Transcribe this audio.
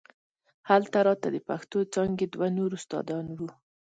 هلته راته د پښتو څانګې دوه نور استادان وو.